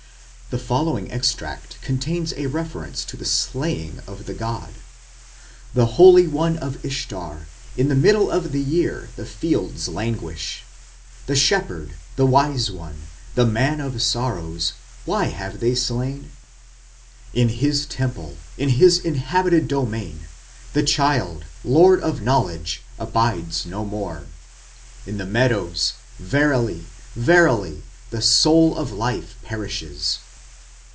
The following extract contains a reference to the slaying of the god: The holy one of Ishtar, in the middle of the year the fields languish... The shepherd, the wise one, the man of sorrows, why have they slain?... In his temple, in his inhabited domain, The child, lord of knowledge, abides no more... In the meadows, verily, verily, the soul of life perishes.